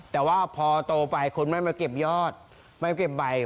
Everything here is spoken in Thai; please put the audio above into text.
แต่ว่าพอโตไปคนไม่มาเก็บยอดไม่เก็บใบ